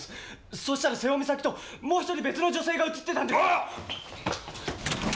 そしたら瀬尾美咲ともう１人別の女性が映ってたんです！